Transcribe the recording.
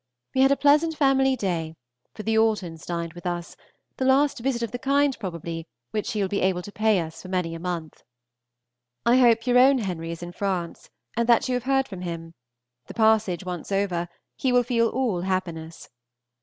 We had a pleasant family day, for the Altons dined with us, the last visit of the kind probably which she will be able to pay us for many a month. I hope your own Henry is in France, and that you have heard from him; the passage once over, he will feel all happiness.